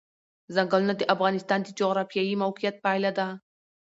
ځنګلونه د افغانستان د جغرافیایي موقیعت پایله ده.